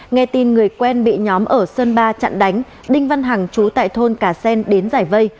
nghe tin người quen bị nhóm ở sơn ba chặn đánh đinh văn hằng chú tại thôn cà sen đến giải vây